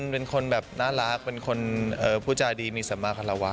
เป็นคนแบบน่ารักเป็นคนพูดจาดีมีสมาคารวะ